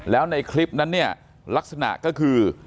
แล้วในคลิปนั้นเนี่ยลักษณะก็คือ